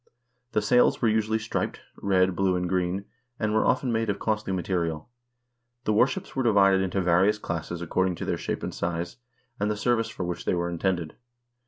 The sails were usually striped, red, blue, and green, and were often made of costly material. The warships were divided into various classes according to their shape and size, and the ser vice for which they were intended.